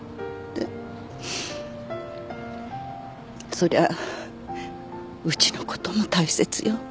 そりゃうちのことも大切よ。